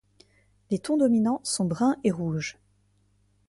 Les tons dominants sont brun et rouge.